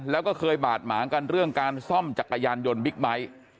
แล้วก็เคยบาดหมางกันเรื่องการซ่อมจักรยานยนต์บิ๊กไบท์